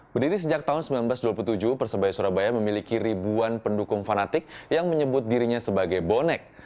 berdiri sejak tahun seribu sembilan ratus dua puluh tujuh persebaya surabaya memiliki ribuan pendukung fanatik yang menyebut dirinya sebagai bonek